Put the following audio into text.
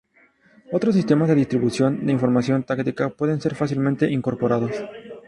Otros sistemas de distribución de información táctica pueden ser fácilmente incorporados.